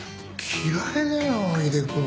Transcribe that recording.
嫌いだよ井出君。